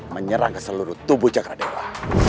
menyerang ke seluruh tubuh sakar dewa